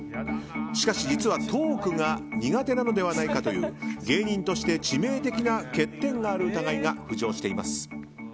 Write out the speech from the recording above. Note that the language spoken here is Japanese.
しかし、実はトークが苦手なのではないかという芸人として致命的な欠点がある疑いが浮上しています。